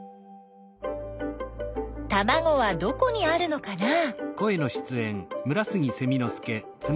たまごはどこにあるのかなあ。